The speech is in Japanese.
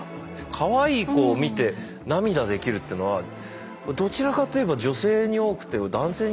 「かわいい子を見て」涙できるというのはどちらかといえば女性に多くて男性には。